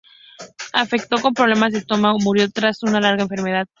Afectado por problemas de estómago, murió tras una larga enfermedad.